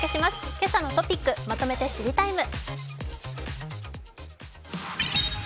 「けさのトピックまとめて知りＴＩＭＥ，」。